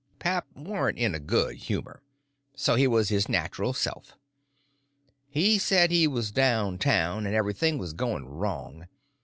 Pap warn't in a good humor—so he was his natural self. He said he was down town, and everything was going wrong.